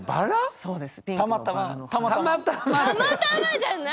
たまたまじゃない！